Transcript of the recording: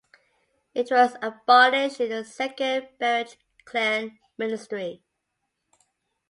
It was abolished in the second Berejiklian ministry.